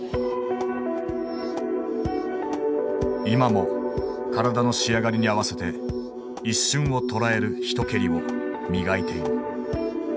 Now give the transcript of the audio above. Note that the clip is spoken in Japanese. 今も体の仕上がりに合わせて一瞬をとらえる一蹴りを磨いている。